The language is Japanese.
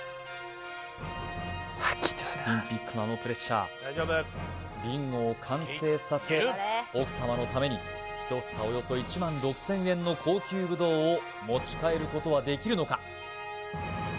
オリンピックのあのプレッシャービンゴを完成させ奥様のために１房およそ１万６０００円の高級ぶどうを持ち帰ることはできるのか？